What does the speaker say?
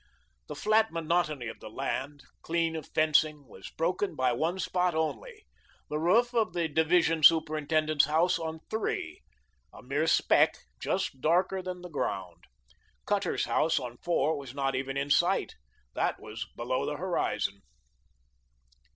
The flat monotony of the land, clean of fencing, was broken by one spot only, the roof of the Division Superintendent's house on Three a mere speck, just darker than the ground. Cutter's house on Four was not even in sight. That was below the horizon.